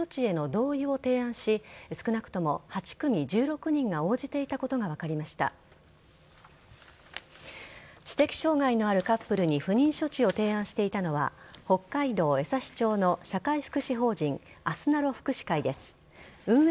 知的障害のあるカップルに不妊処置を提案していたのは、北海道江差町の社会福祉法人あすなろ福祉会です。